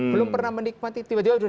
belum pernah menikmati tiba tiba sudah